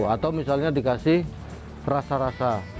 atau misalnya dikasih rasa rasa